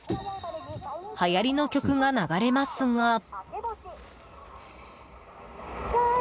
はやりの曲が流れますが。